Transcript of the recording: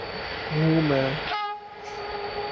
ہوں میں